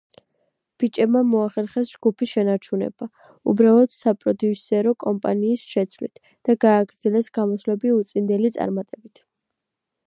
ბიჭებმა მოახერხეს ჯგუფის შენარჩუნება, უბრალოდ საპროდიუსერო კომპანიის შეცვლით, და გააგრძელეს გამოსვლები უწინდელი წარმატებით.